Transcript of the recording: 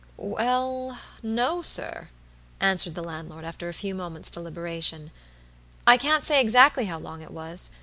"Wellno, sir," answered the landlord, after a few moments' deliberation. "I can't say exactly how long it was.